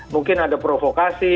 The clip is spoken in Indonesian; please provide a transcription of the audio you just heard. mungkin ada provokasi